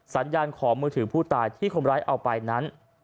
สัญญาณของมือถือผู้ตายที่คนร้ายเอาไปนั้น